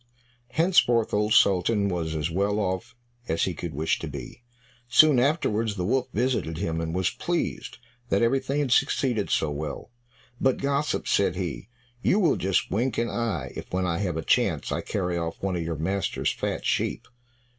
Henceforth Old Sultan was as well off as he could wish to be. Soon afterwards the wolf visited him, and was pleased that everything had succeeded so well. "But, gossip," said he, "you will just wink an eye if when I have a chance, I carry off one of your master's fat sheep."